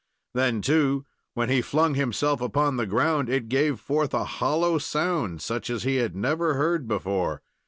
Then, too, when he flung himself upon the ground, it gave forth a hollow sound, such as he had never heard before.